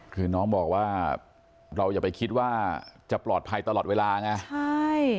คือน้องบอกว่าเราอย่าไปคิดว่าจะปลอดภัยตลอดเวลาไงใช่